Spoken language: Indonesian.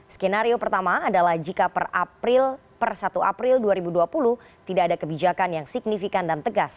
skenario pertama adalah jika per satu april dua ribu dua puluh tidak ada kebijakan yang signifikan dan tegas